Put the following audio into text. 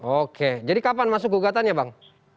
oke jadi kapan masuk ke ugatannya bang